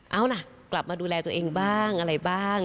เอาล่ะกลับมาดูแลตัวเองบ้างอะไรบ้าง